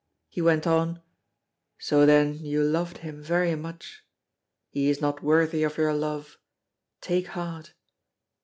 He went on: "So then you loved him very much. He is not worthy of your love. Take heart!"